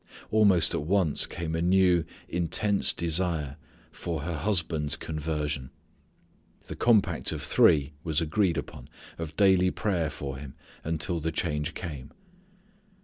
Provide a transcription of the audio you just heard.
Almost at once came a new intense desire for her husband's conversion. The compact of three was agreed upon, of daily prayer for him until the change came.